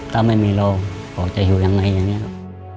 ถ้าไม่มีเราก็จะหิวอย่างไรอย่างนี้ครับ